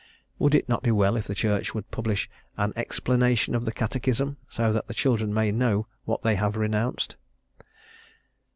Would it not be well if the Church would publish an "Explanation of the Catechism," so that the children may know what they have renounced?